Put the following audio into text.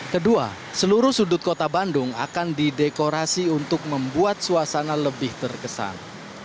kedua seluruh sudut kota bandung akan didekorasi untuk membuat suasana lebih terkesan